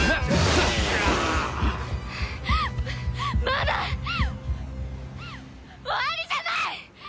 まだ終わりじゃない！